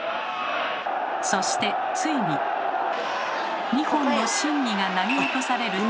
そしてついに２本の宝木が投げ落とされると。